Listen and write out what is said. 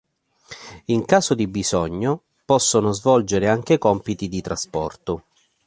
In caso di bisogno, possono svolgere anche compiti di trasporto.